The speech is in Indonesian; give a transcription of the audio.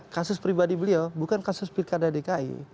kasus pribadi beliau bukan kasus pilkada dki